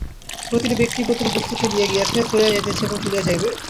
প্রতিটি ব্যক্তি, প্রতিটি বস্তু চলিয়া গিয়াছে, চলিয়া যাইতেছে এবং চলিয়া যাইবে।